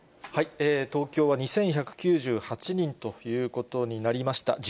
東京は２１９８人ということになりました。